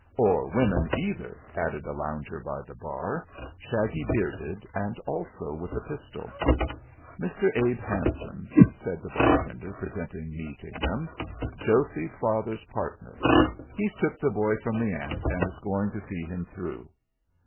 "Or women either," added a lounger by the bar, shaggy bearded and also with a pistol. "Mr. Abe Hanson," said the barkeeper, presenting me to him. "Josey's father's partner. He's took the boy from the aunt and is going to see him through."